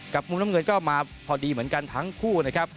มุมน้ำเงินก็มาพอดีเหมือนกันทั้งคู่นะครับ